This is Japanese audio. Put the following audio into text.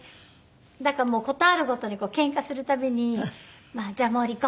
だから事あるごとにケンカする度に「じゃあもう離婚。